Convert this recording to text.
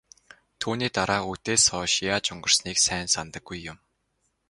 Түүний дараа үдээс хойш яаж өнгөрснийг сайн санадаггүй юм.